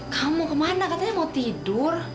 kamu mau kemana katanya mau tidur